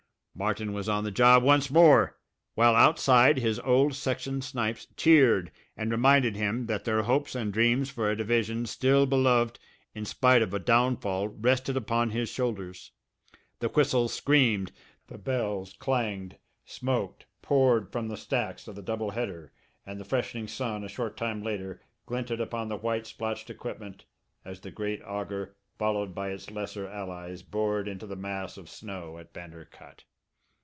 Martin was on the job once more, while outside his old section snipes cheered, and reminded him that their hopes and dreams for a division still beloved in spite of a downfall rested upon his shoulders. The whistles screamed. The bells clanged. Smoke poured from the stacks of the double header, and the freshening sun, a short time later, glinted upon the white splotched equipment, as the great auger followed by its lesser allies, bored into the mass of snow at Bander Cut.